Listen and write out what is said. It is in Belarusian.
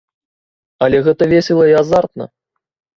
Але гэта весела і азартна.